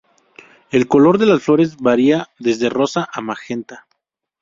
El color de las flores varía desde rosa a magenta.